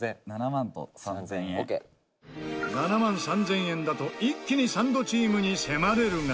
７万３０００円だと一気にサンドチームに迫れるが。